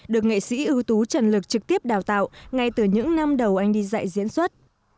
được nghệ sĩ ưu tú trần lực trực tiếp đào tạo ngay từ những năm đầu anh đi dạy diễn xuất